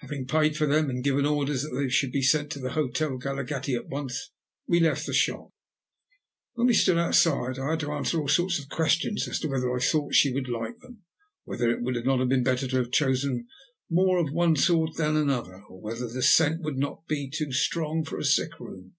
Having paid for them and given orders that they should be sent to the Hotel Galaghetti at once, we left the shop. When we stood outside, I had to answer all sorts of questions as to whether I thought she would like them, whether it would not have been better to have chosen more of one sort than another, and whether the scent would not be too strong for a sick room.